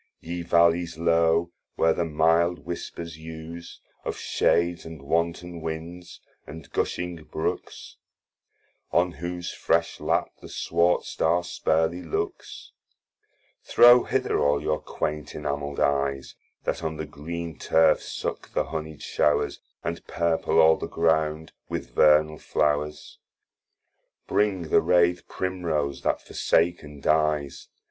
Ye valleys low where the milde whispers use, Of shades and wanton winds, and gushing brooks, On whose fresh lap the swart Star sparely looks, Throw hither all your quaint enameld eyes, That on the green terf suck the honied showres, And purple all the ground with vernal flowres. Bring the rathe Primrose that forsaken dies.